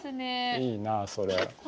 いいなあそれ。